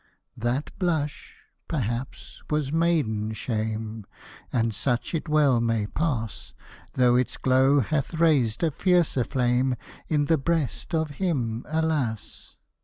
That blush, perhaps, was maiden shame As such it well may pass Though its glow hath raised a fiercer flame In the breast of him, alas!